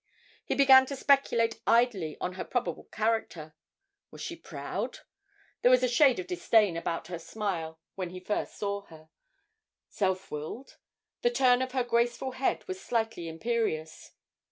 He began to speculate idly on her probable character. Was she proud? there was a shade of disdain about her smile when he first saw her. Self willed? the turn of her graceful head was slightly imperious.